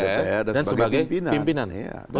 anggota dpr dan sebagai pimpinan